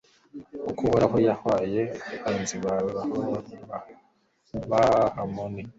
kuko uhoraho yahoye abanzi bawe b'abahamoni